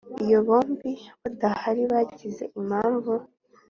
Iyo bombi badahari bagize impamvu